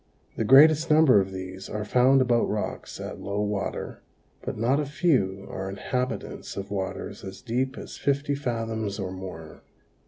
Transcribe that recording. The greatest number of these are found about rocks at low water but not a few are inhabitants of waters as deep as fifty fathoms or more.